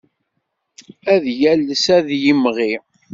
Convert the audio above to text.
Ad yales ad d-yemɣi.